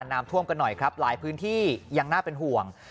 น้ำท่วมกันหน่อยครับหลายพื้นที่ยังน่าเป็นห่วง